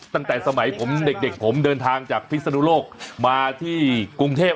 ตั้งแต่สมัยผมเด็กผมเดินทางจากพิศนุโลกมาที่กรุงเทพ